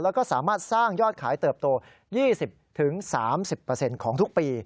แล้วก็สามารถสร้างยอดขายเติบโต๒๐๓๐ของทุกปี